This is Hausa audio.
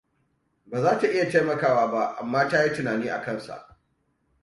Ba za ta iya taimawa ba, amma ta yi tunani a kansa.